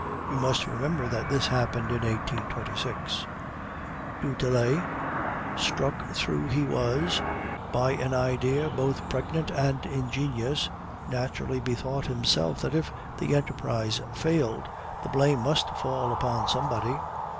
You must remember that this happened in 1826. "Du Tillet, struck through he was by an idea both pregnant and ingenious, naturally bethought himself that if the enterprise failed, the blame must fall upon somebody.